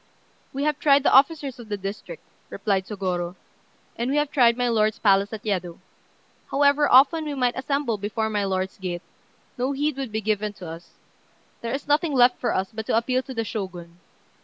"We have tried the officers of the district," replied Sôgorô, "and we have tried my lord's palace at Yedo. However often we might assemble before my lord's gate, no heed would be given to us. There is nothing left for us but to appeal to the Shogun."